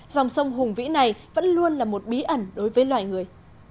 dòng sông hùng vĩ này vẫn luôn là một bí ẩn đối với loài người